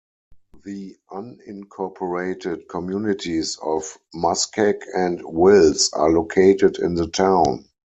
The unincorporated communities of Muskeg and Wills are located in the town.